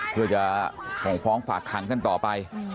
เพื่อจะส่งฟ้องฝากขังกันต่อไป